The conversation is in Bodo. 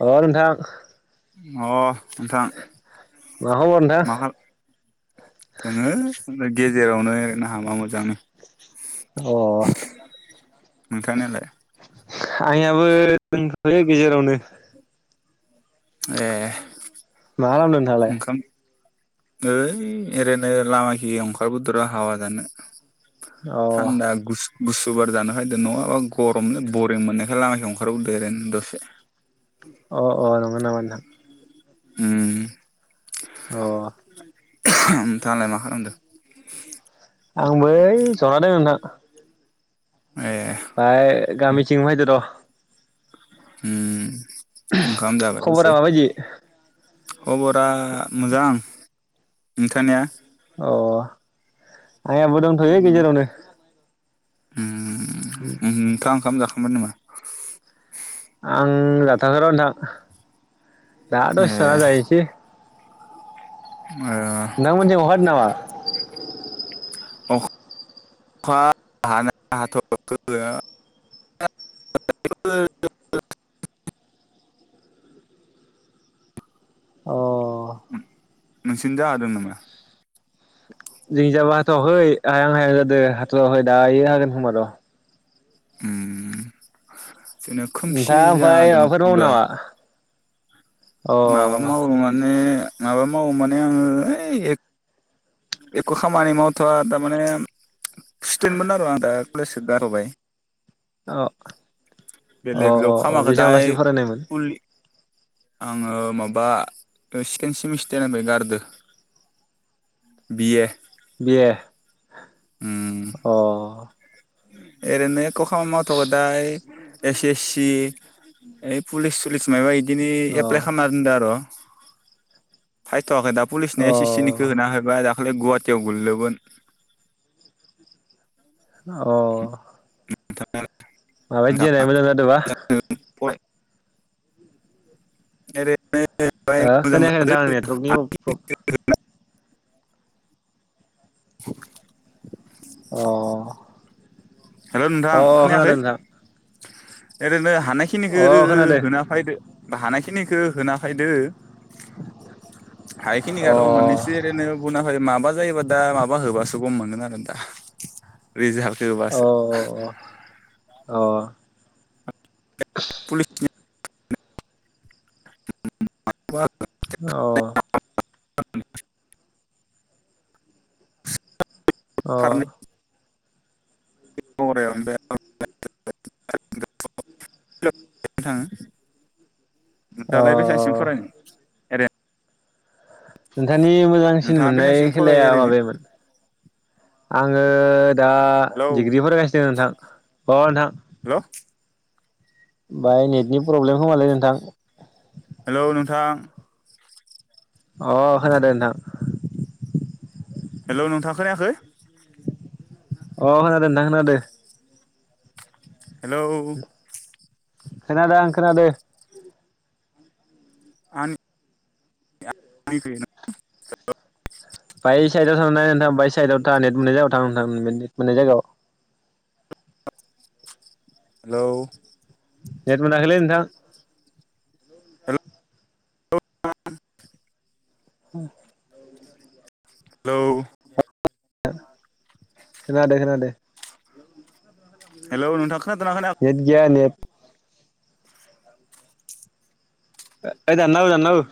अ नोंथां अ नोंथां। माखबर नोंथां? मा खाल दोङो गेजेरावनो हामा मोजां। अ। नोंथांनियालाय? आंनियाबो दोनथ'यो गेजेरावनो। ए मा खालामदों नोंथाङालाय ओंखाम ओइ ओरैनो लामाखि ओंखारबोदरा हावा जानो। अ थान्दा गु गुसुुबार जानो फायदो नङाबा गरमनो बरिं मोननायखाय लामायाव ओंखारबोदेर दसे। अ अ नंगौ नामा नोंथां? उम। अ। [unintelligible] नोंथाङालाय मा खालामदों? आंबो बो ओय जना दङ नोंथां। ए ‌। फाय गामिथिं फैदो र'। ओम ओंखाम खबरा जाबाय [unintelligible] माबायदि खबरा मोजां नोंथांनिया? अ आंनियाबो दंथ'यो गेजेरावनो। ओम नोंथाङा ओंखाम जाखांबाय नामा? आं जाथ'याखै र'नोंथां दा ए दसे थाना जाहैसै। ए। नोंथां मोनथिं अखा हादों नामा? अखा हानाया हाथ'वाखै। अ। नोंसिनिजाय हादों नामा? जोंनि जायबो हाथवाखै हायां हायां जादों हाथवाखै दायो हागोन खोमा र'। ओम जोंना खोमसि नोंथाङा जाना ओमफ्राय दङो माबाफोर मावो फुरा। नामा अ माबा मावो माने माबा मावो माने आङो ओइ एख' खामानि मावथ'वा थारमाने स्टुदेन्टमोन आरो आं दा कलेजखौ गारथ'बाय। अ अ बेलेग जब अ अ खामाखै बेसां दाय लासि फरायनायमोन? फुल आङो माबा सेकेणड सेमेस्टारनिफ्राय गारदों। बि ए। बि ए। अ। ओरैनो एख' खामानि मावथ'याखै दायो एस एस सि ए पुलिस सुलिस मायबा इदिनो अ एप्लाइ खालामना दोनदो आर'' फायथ'वाखै दा पुलिसनि अ एस एस सि होना होबबाय दाखालि गुवाहाटियाव गोलैदोमोन अ माबायदि देनाय मोजां जादोंबा [unintelligible] हो मोजां जादों खोनायाखो नोंथ [unintelligible] [unintelligible] अ हेल' नोंथां अ खोनायाखै खोनादों नोंथां ओरैनो हानाखि खिनिखौ अ खोनादों होना फैदो हानाय खिनिखौ होना फैदो अ हायखिनिखौ र' मोननैसै ओरैनो गुना माबा जायोबा दा माबा होबासो गम मोनगोन आरो दा रिजालखौ होबा अ अ अ पुलिसनि म [unintelligible] अ [unintelligible] अ द [unintelligible] नथाङ [unintelligible] अ नोंथाङालाय बेसेबांसिम फरायनाय? ओरैनो नोंथांनि मोजांसिन नोंथाङा मोननाय बेसेबांसिम फरायो खेलाया ओरैनो माबेयामोन? आङो दा हेलौ डिग्रि फरायगासिनो नोंथां अ नोंथां हेल' बाय नेटनि प्रब्लेम खोमालै नोंथां हेल' नोंथां अ खोनादों नोंथां हेल' नोंथा खोनायाखै? [inaudible] [inaudible] अ खोनादों नोंथां खोनादों हेलौ खनाादों आं खनादो आंनि [inaudible] बाय साइडआव थां नोंथां बाय साइडआव था नेट मोननाय जायाव थां नोंथां नेट मोननाय जायगायाव हेलौ नेट मोनाखैलै नोंथां [inaudible] [inaudible] हेलौ खनादों- खोनादों हेल' नोंथां खोनादोना खोना या नेट गैया नेट ओइ दानना हो दानना हो